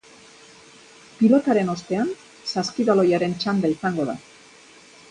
Pilotaren ostean, saskibaloiaren txanda izango da.